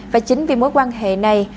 và chính vì mối quan hệ này